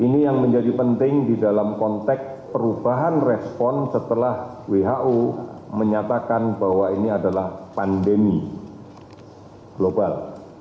ini yang menjadi penting di dalam konteks perubahan respon setelah who menyatakan bahwa ini adalah pandemi global